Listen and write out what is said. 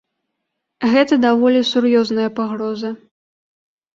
Гэта даволі сур'ёзная пагроза.